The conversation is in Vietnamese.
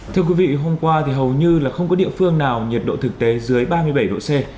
thưa quý vị hôm qua thì hầu như là không có địa phương nào nhiệt độ thực tế dưới ba mươi bảy độ c